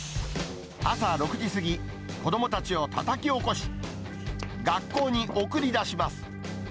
朝６時過ぎ、子どもたちをたたき起こし、学校に送り出します。